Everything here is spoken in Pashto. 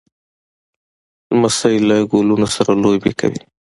لمسی له ګلونو سره لوبې کوي.